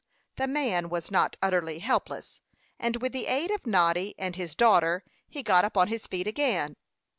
The man was not utterly helpless; and with the aid of Noddy and his daughter he got upon his feet again.